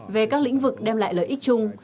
về các lĩnh vực đem lại lợi ích chung